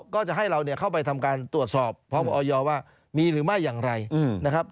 ก็จะให้เราเข้าไปทำการตรวจสอบพบออยว่ามีหรือไม่อย่างไรนะครับ